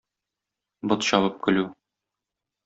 Бот чабып көлү.